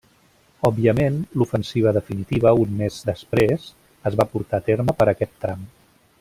Òbviament l'ofensiva definitiva, un mes després, es va portar a terme per aquest tram.